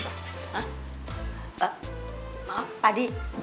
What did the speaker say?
maaf pak d